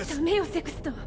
セクストン。